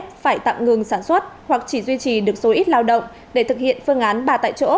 phải tạm ngừng sản xuất hoặc chỉ duy trì được số ít lao động để thực hiện phương án ba tại chỗ